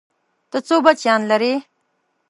ته څو بچيان لرې؟